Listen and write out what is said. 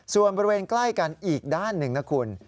ส่วนบริเวณใกล้กันอีกด้านหนึ่งนะคุณ